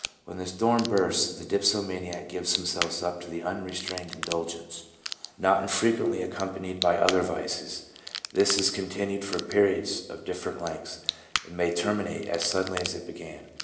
4 When the storm bursts the dipsomaniac gives himself up to unrestrained in dulgence, not infrequently accompanied by other vices; this is continued for periods of different lengths, and may terminate as suddenly as it began.